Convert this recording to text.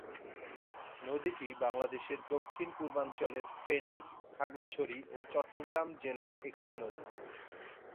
নদীটি বাংলাদেশের দক্ষিণ-পূর্বাঞ্চলের ফেনী, খাগড়াছড়ি ও চট্টগ্রাম জেলার একটি নদী।